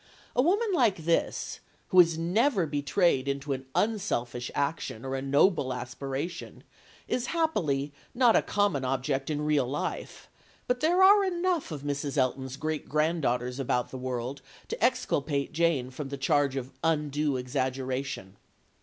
A woman like this, who is never betrayed into an unselfish action or a noble aspiration, is happily not a common object in real life, but there are enough of Mrs. Elton's great granddaughters about the world to exculpate Jane from the charge of undue exaggeration.